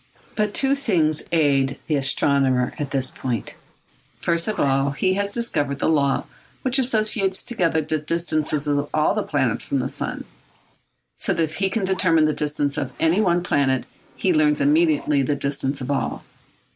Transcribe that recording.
But two things aid the astronomer at this point. First of all, he has discovered the law which associates together the distances of all the planets from the sun; so that if he can determine the distance of any one planet, he learns immediately the distances of all.